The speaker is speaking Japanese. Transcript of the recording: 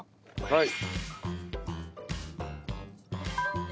はい。